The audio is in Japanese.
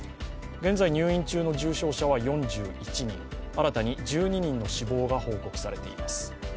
現在、入院中の重症者は４１人新たに１２人の死亡が報告されています。